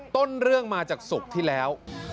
ต้นเรื่องมาจากศุกร์ที่แล้ว